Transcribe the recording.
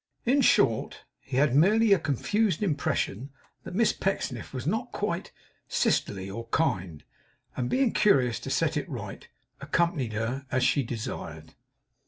In short, he had merely a confused impression that Miss Pecksniff was not quite sisterly or kind; and being curious to set it right, accompanied her as she desired.